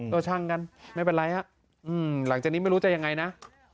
ก็ช่างกันไม่เป็นไรฮะหลังจากนี้ไม่รู้จะยังไงนะ